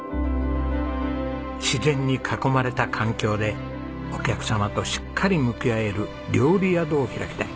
「自然に囲まれた環境でお客様としっかり向き合える料理宿を開きたい」。